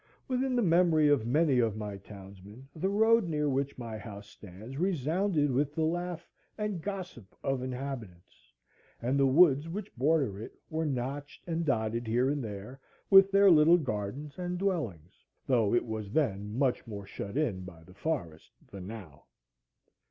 Within the memory of many of my townsmen the road near which my house stands resounded with the laugh and gossip of inhabitants, and the woods which border it were notched and dotted here and there with their little gardens and dwellings, though it was then much more shut in by the forest than now.